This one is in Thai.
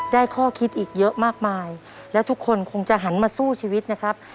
ข้อคิดอีกเยอะมากมายแล้วทุกคนคงจะหันมาสู้ชีวิตนะครับ